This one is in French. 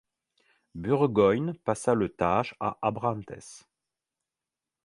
Burgoyne passa le Tage à Abrantes.